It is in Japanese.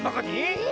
え！